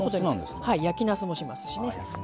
焼きなすもしますしね。